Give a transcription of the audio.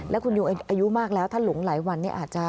แล้วคุณอยู่อายุมากแล้วถ้าหลงหลายวันนี้อาจจะ